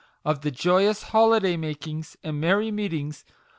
of the joyous holiday makings and merry meetings